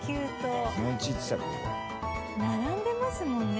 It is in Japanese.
羽田：並んでますもんね